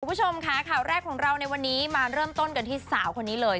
คุณผู้ชมค่ะข่าวแรกของเราในวันนี้มาเริ่มต้นกันที่สาวคนนี้เลย